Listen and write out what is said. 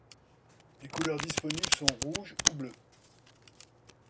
Les couleurs disponibles sont rouge ou bleu.